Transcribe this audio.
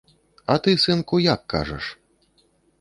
А ты, сынку, як кажаш?